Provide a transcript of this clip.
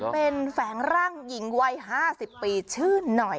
เป็นแฝงร่างหญิงวัย๕๐ปีชื่อหน่อย